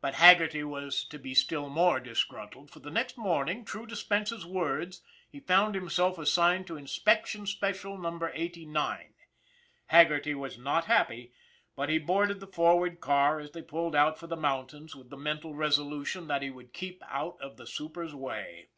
But Haggerty was to be still more disgruntled, for the next morning, true to Spence's words, he found himself assigned to Inspection Special Number Eighty nine. Haggerty was not happy; but he boarded the forward car, as they pulled out for the mountains with the mental resolution that he would keep out of the super's way.